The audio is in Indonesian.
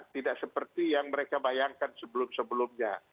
tidak seperti yang mereka bayangkan sebelum sebelumnya